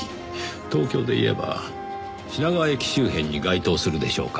東京で言えば品川駅周辺に該当するでしょうか。